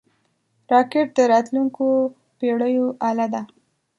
راکټ د راتلونکو پېړیو اله ده